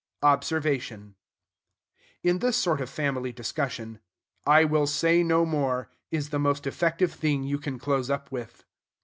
Observation. In this sort of family discussion, "I will say no more" is the most effective thing you can close up with.